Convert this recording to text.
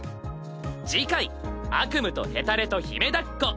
次回「悪夢とヘタレと姫抱っこ」。